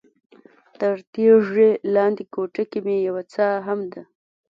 تر تیږې لاندې کوټه کې یوه څاه هم ده.